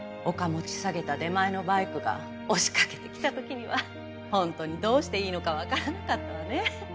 持ち下げた出前のバイクが押しかけてきた時には本当にどうしていいのかわからなかったわね。